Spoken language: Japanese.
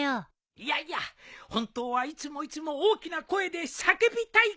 いやいや本当はいつもいつも大きな声で叫びたいくらいなんじゃ。